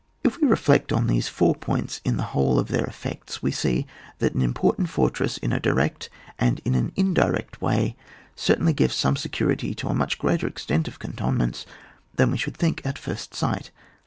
If we reflect on these four points in the whole of their effects, we see that an important fortress in a direct and in an indirect way certcdnly gives some security to a much greater extent of cantonments than we should think at first sight.